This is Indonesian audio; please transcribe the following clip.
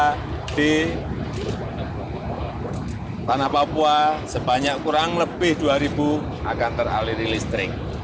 karena di tanah papua sebanyak kurang lebih dua ribu akan teraliri listrik